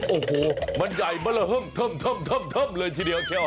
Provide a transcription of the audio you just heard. โอ้โฮมันใหญ่มาระห้มถมเลยทีเดียวเข้าฮะ